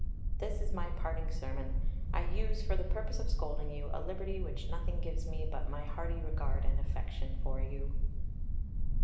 This is my parting sermon. I use, for the purpose of scolding you, a liberty which nothing gives me but my hearty regard and affection for you."